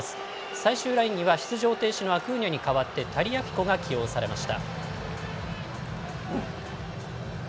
最終ラインには出場停止のアクーニャに代わってタリアフィコが起用されました。